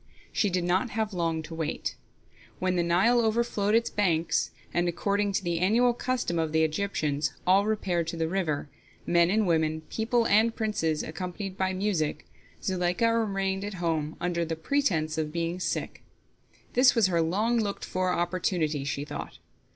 She did not have long to wait. When the Nile overflowed its banks, and, according to the annual custom of the Egyptians, all repaired to the river, men and women, people and princes, accompanied by music, Zuleika remained at home under pretense of being sick. This was her long looked for opportunity, she thought.